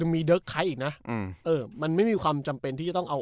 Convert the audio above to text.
มีเดิร์กไคต์อีกน่ะอืมเออมันไม่มีคำจำเป็นที่จะต้องเอา